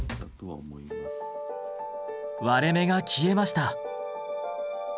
割れ目が消えました。